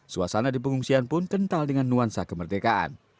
suasana di pengungsian pun kental dengan nuansa kemerdekaan